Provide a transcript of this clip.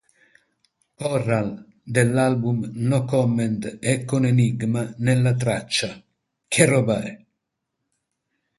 Corral", dell'album "No Comment", e con Enigma nella traccia "Che roba è?!